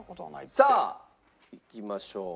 さあいきましょう。